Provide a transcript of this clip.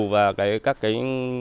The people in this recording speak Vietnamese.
và các cái